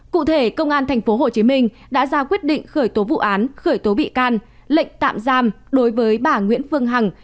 cụ thể công an tp hcm đã ra quyết định khởi tố vụ án khởi tố bị can lệnh tạm giam đối với bà nguyễn phương hằng